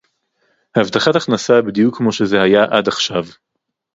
הבטחת הכנסה בדיוק כמו שזה היה עד עכשיו